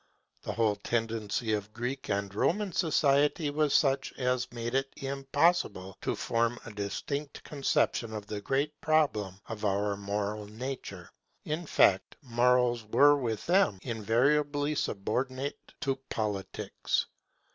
The whole tendency of Greek and Roman society was such as made it impossible to form a distinct conception of the great problem of our moral nature. In fact, Morals were with them invariably subordinate to Politics.